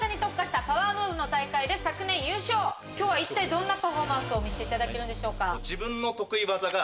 今日どんなパフォーマンスを見せていただけるんでしょうか？